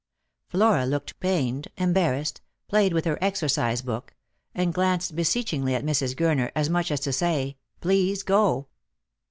Flora looked pained, embarrassed, played with her exercise book, and glanced beseechingly at Mrs. Gurner, as much as to say, " Please go."